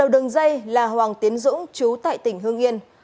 đây là hoàng tiến dũng chú tại tỉnh hương yên